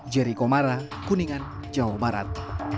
jerry komara kuningan jawa barat